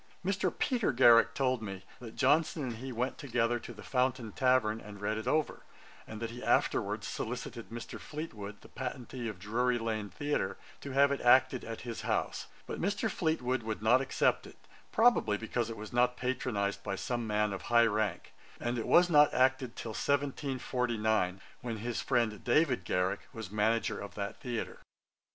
Mr. Peter Garrick told me, that Johnson and he went together to the Fountain tavern, and read it over, and that he afterwards solicited Mr. Fleetwood, the patentee of Drury lane theatre, to have it acted at his house; but Mr. Fleetwood would not accept it, probably because it was not patronized by some man of high rank; and it was not acted till 1749, when his friend David Garrick was manager of that theatre.